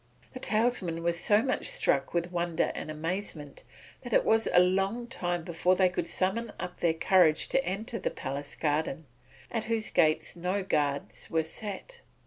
The talesmen were so much struck with wonder and amazement that it was a long time before they could summon up their courage to enter the palace garden, at whose gates no guards were set.